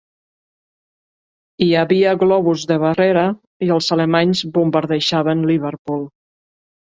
Hi havia globus de barrera i els Alemanys bombardejaven Liverpool.